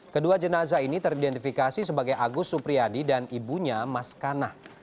kedua jenazah ini teridentifikasi sebagai agus supriyadi dan ibunya mas kanah